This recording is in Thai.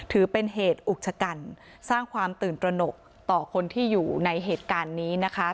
ถือเป็นเหตุอุกชะกันสร้างความตื่นตระหนกต่อคนที่อยู่ในเหตุการณ์นี้นะคะ